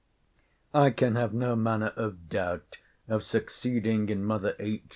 I can have no manner of doubt of succeeding in mother H.